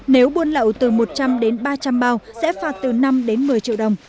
nếu buôn lậu từ một trăm linh đến ba trăm linh bao sẽ phạt từ năm đến một mươi triệu đồng